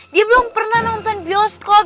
dia belum pernah nonton bioskop